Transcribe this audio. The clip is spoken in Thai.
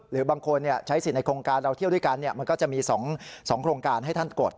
หรือบางคนใช้สิทธิ์ในโครงการเราเที่ยวด้วยกันมันก็จะมี๒โครงการให้ท่านกด